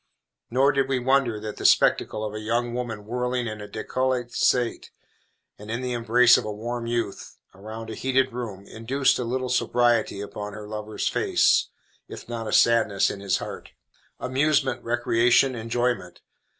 Nor did we wonder that the spectacle of a young woman whirling in a décolleté state, and in the embrace of a warm youth, around a heated room, induced a little sobriety upon her lover's face, if not a sadness in his heart. Amusement, recreation, enjoyment!